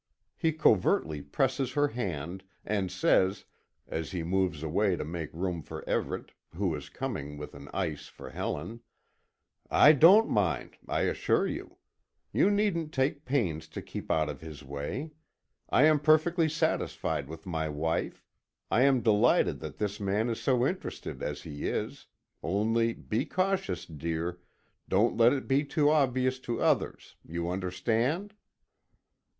He covertly presses her hand, and says, as he moves away to make room for Everet, who is coming with an ice for Helen: "I don't mind, I assure you. You needn't take pains to keep out of his way. I am perfectly satisfied with my wife. I am delighted that this man is so interested as he is only be cautious, dear; don't let it be too obvious to others you understand?"